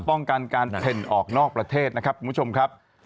ป้องกันการเพ่นออกนอกประเทศนะครับคุณผู้ชมครับ